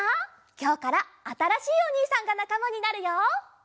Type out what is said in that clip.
きょうからあたらしいおにいさんがなかまになるよ！